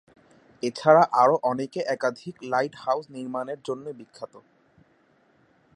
এছাড়া আরও অনেকে একাধিক লাইট হাউজ নির্মাণের জন্যে বিখ্যাত।